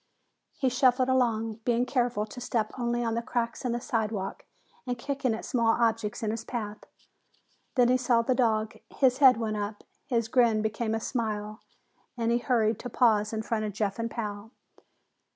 He shuffled along, being careful to step only on the cracks in the sidewalk and kicking at small objects in his path. Then he saw the dog. His head went up, his grin became a smile, and he hurried to pause in front of Jeff and Pal.